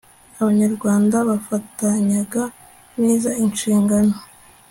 abanyarwanda bafatanyaga neza inshingano